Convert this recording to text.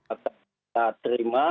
akan kita terima